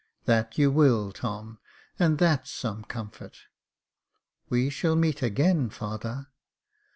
" That you will, Tom, and that's some comfort." " We shall meet again, father."